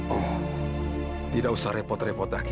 oh tidak usah repot repot lagi